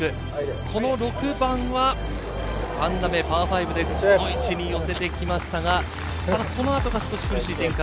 この６番は３打目パー５でこの位置に寄せてきましたが、この後が少し苦しい展開。